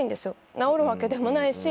治るわけでもないし。